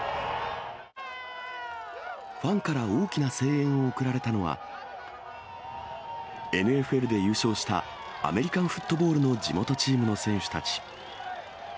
ファンから大きな声援を送られたのは、ＮＦＬで優勝した、アメリカンフットボールの地元チームの選手たち。